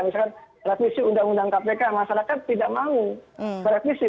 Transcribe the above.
misalkan revisi undang undang kpk masyarakat tidak mau merevisi